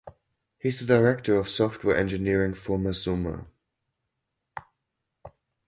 He is the Director of Software engineering for Mazzuma.